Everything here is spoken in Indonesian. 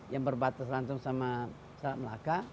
yang berbatas langsung sama selat melaka